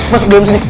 masuk dulu sini